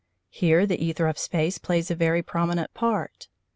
Here the æther of space plays a very prominent part.